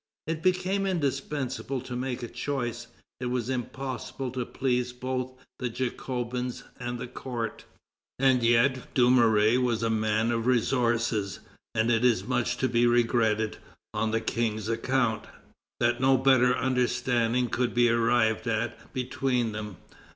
It became indispensable to make a choice. It was impossible to please both the Jacobins and the court. And yet Dumouriez was a man of resources, and it is much to be regretted, on the King's account, that no better understanding could be arrived at between them.